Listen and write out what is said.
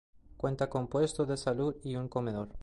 Cuenta con puesto de salud y un comedor.